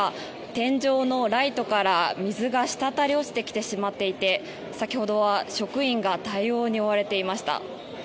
天井のライトから水がしたたり落ちてきてしまっていて先ほどは職員が対応に追われていました。